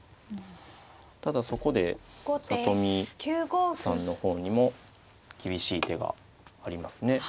ただそこで里見さんの方にも厳しい手がありますね。